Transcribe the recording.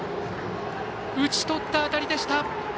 打ち取った当たりでした。